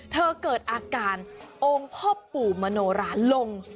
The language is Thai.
เธอเกิดอาการโอ้งพ่อปู่มโนราลง